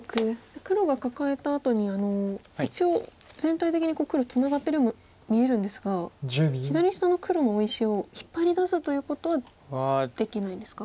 黒がカカえたあとに一応全体的に黒ツナがってるように見えるんですが左下の黒の大石を引っ張り出すということはできないんですか？